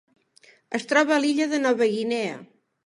Es troba a l'illa de Nova Guinea.